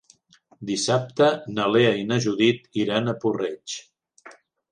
Dissabte na Lea i na Judit iran a Puig-reig.